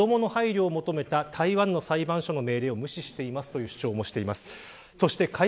これに加えて、子どもに配慮を求めた台湾の裁判所の命令を無視していますという主張もしています。